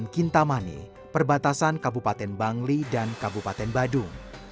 kintamani perbatasan kabupaten bangli dan kabupaten badung